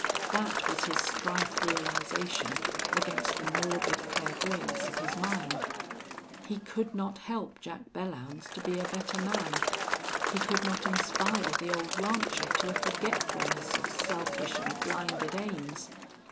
That was his strife realization against the morbid clairvoyance of his mind. He could not help Jack Belllounds to be a better man. He could not inspire the old rancher to a forgetfulness of selfish and blinded aims.